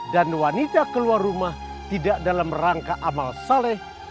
dan wanita keluar rumah tidak dalam rangka amal salih